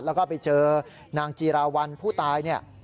แล้วก็ไปเจอนางจิรวรรณผู้ตาย